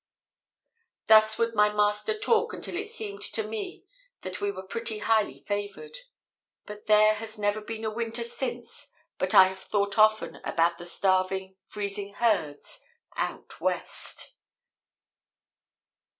Thus would my master talk until it seemed to me that we were pretty highly favored, but there has never been a winter since but I have thought often about the starving, freezing herds "out West."